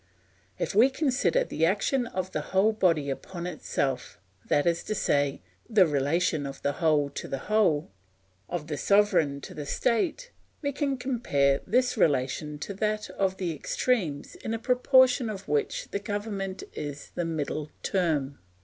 If we consider the action of the whole body upon itself, that is to say, the relation of the whole to the whole, of the sovereign to the state, we can compare this relation to that of the extremes in a proportion of which the government is the middle term.